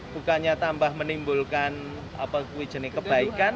bukannya tambah menimbulkan apa kuih jenis kebaikan